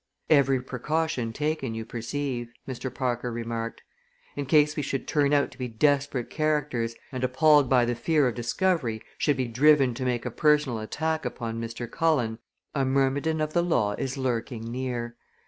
"Every precaution taken, you perceive," Mr. Parker remarked. "In case we should turn out to be desperate characters and, appalled by the fear of discovery, should be driven to make a personal attack upon Mr. Cullen, a myrmidon of the law is lurking near.